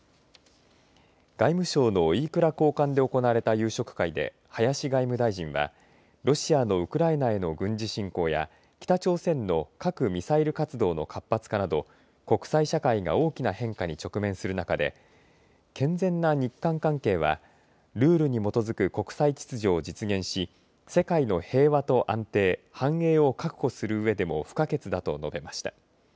外務省の飯倉公館で行われた夕食間で林外務大臣はロシアのウクライナへの軍事侵攻や北朝鮮の核・ミサイル活動の活発化など国際社会が大きな変化に直面する中で健全な日韓関係はルールに基づく国際秩序を実現し世界の平和と安定・繁栄を確保するうえでも不可欠だと述べました。